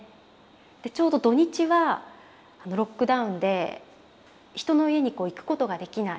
でちょうど土日はロックダウンで人の家に行くことができない。